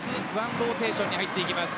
ローテーションに入っていきます。